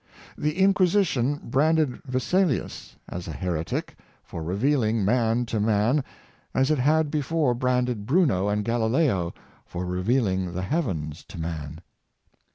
The Inquisition branded Vesalius as a heretic for re vealing man to man, as it had before branded Bruno and Galileo for revealing the heavens to man.